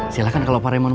bidadari saya datang